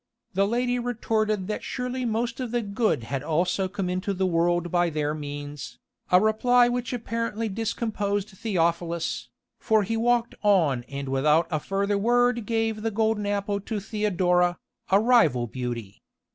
The lady retorted that surely most of the good had also come into the world by their means, a reply which apparently discomposed Theophilus, for he walked on and without a further word gave the golden apple to Theodora, a rival beauty.